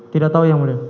tidak tahu yang mulia